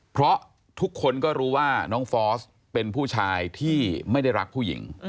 เพราะทุกคนก็รู้ว่าน้องฟอสเป็นผู้ชายที่ไม่ได้รักผู้หญิง